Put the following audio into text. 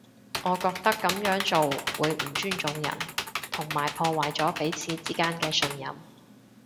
我覺得噉樣做會唔尊重人，同埋破壞咗彼此之間嘅信任